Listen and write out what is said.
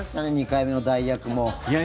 ２回目の代役も。